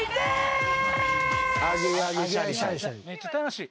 めっちゃ楽しい。